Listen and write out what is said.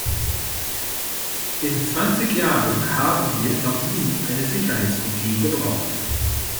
In zwanzig Jahren haben wir noch nie eine Sicherheitskopie gebraucht.